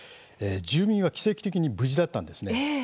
住民は奇跡的に無事だったんですね。